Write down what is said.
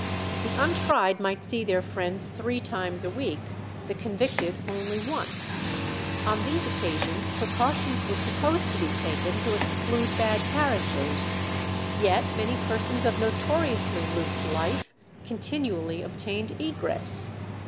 The untried might see their friends three times a week, the convicted only once. On these occasions precautions were supposed to be taken to exclude bad characters, yet many persons of notoriously loose life continually obtained egress.